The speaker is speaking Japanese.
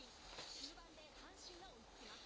終盤で阪神が追いつきます。